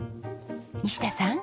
西田さん！